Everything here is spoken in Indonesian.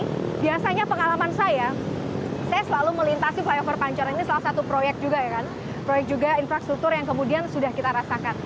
nah biasanya pengalaman saya saya selalu melintasi flyover pancoran ini salah satu proyek juga ya kan proyek juga infrastruktur yang kemudian sudah kita rasakan